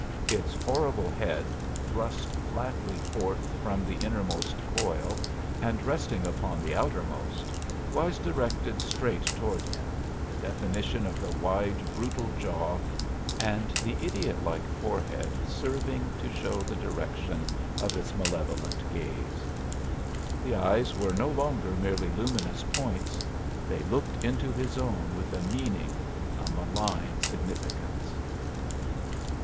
Its horrible head, thrust flatly forth from the innermost coil and resting upon the outermost, was directed straight toward him, the definition of the wide, brutal jaw and the idiot like forehead serving to show the direction of its malevolent gaze. The eyes were no longer merely luminous points; they looked into his own with a meaning, a malign significance.